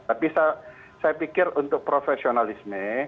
tapi saya pikir untuk profesionalisme